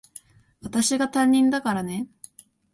私が担任だからね。